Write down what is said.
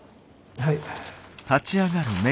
はい。